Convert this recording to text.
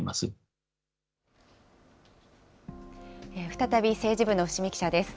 再び政治部の伏見記者です。